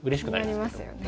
気になりますよね。